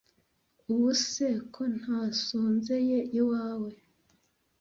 Ubuse kosntasonzeye iwawe